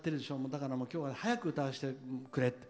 だから今日は早く歌わせてくれって。